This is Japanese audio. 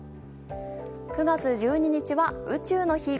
９月１２日は宇宙の日。